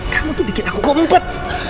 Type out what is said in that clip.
kamu tuh bikin aku gompet